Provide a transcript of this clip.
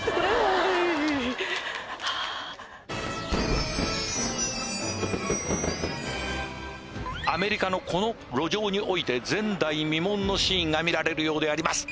おいアメリカのこの路上において前代未聞のシーンが見られるようであります